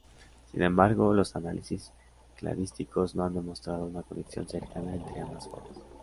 Sin embargo los análisis cladísticos no han demostrado una conexión cercana entre ambas formas.